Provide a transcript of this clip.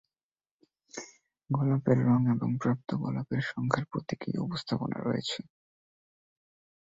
গোলাপের রঙ এবং প্রাপ্ত গোলাপের সংখ্যার প্রতীকী উপস্থাপনা রয়েছে।